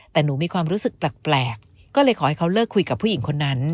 แต่หนูมีความรู้สึกแปลกก็เลยขอให้เขาเลิกคุยกับผู้หญิงคนนั้น